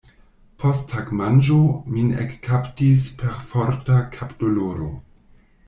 Post tagmanĝo, min ekkaptis perforta kapdoloro.